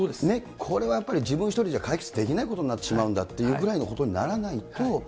これはやっぱり自分１人じゃ解決できないことになってしまうんだということにならないと。